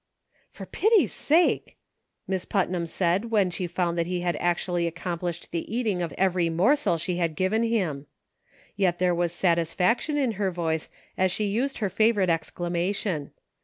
" For pity's sake !" Miss Putnam had said when she found that he had actually accomplished the eating of every morsel she had given him. Yet there was satisfaction in her voice as she used her favorite exclamation.